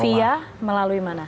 via melalui mana